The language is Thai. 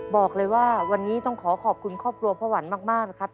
บอกเลยว่าวันนี้ต้องขอขอบคุณครอบครัวพ่อหวันมากนะครับ